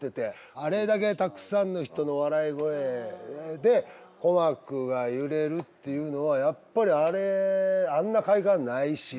あれだけたくさんの人の笑い声で鼓膜が揺れるっていうのはやっぱりあれあんな快感ないし。